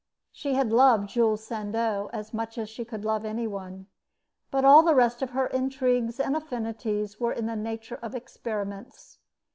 She had loved Jules Sandeau as much as she could love any one, but all the rest of her intrigues and affinities were in the nature of experiments.